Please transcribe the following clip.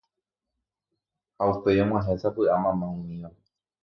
ha upéi og̃uahẽ sapy'a mama umíva.